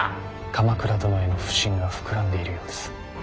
鎌倉殿への不信が膨らんでいるようです。